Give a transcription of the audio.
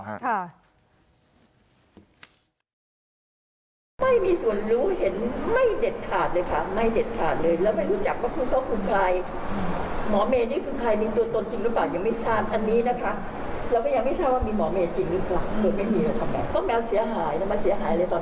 สวมรอยอีกก็ได้เขาอยากให้ยุ่งอีก